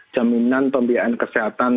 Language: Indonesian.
jaminan pembiayaan kesehatan